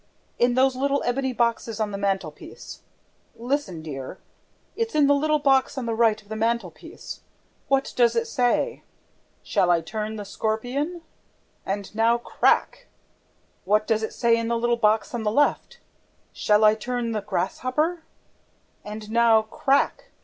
In those little ebony boxes on the mantelpiece? ... Listen, dear, it's in the little box on the right of the mantelpiece: what does it say? 'SHALL I TURN THE SCORPION?' ... And now, crack! What does it say in the little box on the left? 'SHALL I TURN THE GRASSHOPPER?' ... And now, crack!